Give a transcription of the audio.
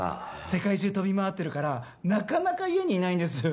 世界中飛び回ってるからなかなか家にいないんです。